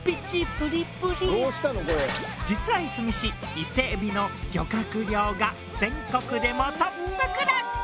実はいすみ市伊勢海老の漁獲量が全国でもトップクラス。